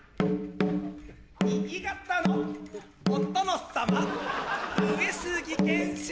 新潟のお殿様上杉謙信